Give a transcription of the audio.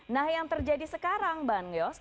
nah yang terjadi sekarang bang yos